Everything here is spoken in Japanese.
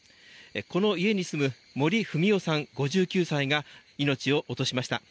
この家に住む森文代さん、５９歳が命を落としました。